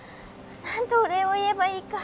何とお礼を言えばいいか。